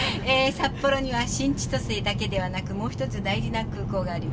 札幌には新千歳だけではなくもう一つ大事な空港があります。